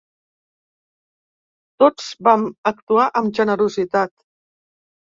Tots vam actuar amb generositat.